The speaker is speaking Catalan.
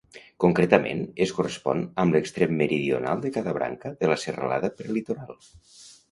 Concretament es correspon amb l'extrem meridional de cada branca de la Serralada Prelitoral.